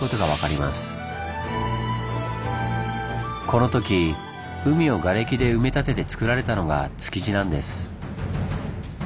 このとき海をがれきで埋め立ててつくられたのが築地なんです。